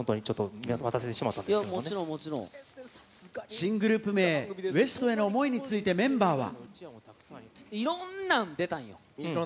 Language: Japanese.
新グループ名、ＷＥＳＴ．への思いについてメンバーは。